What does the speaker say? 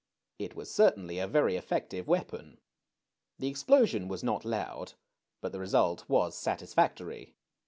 It was certainly a very effective weapon. The explosion was not loud, but the result was satisfactory.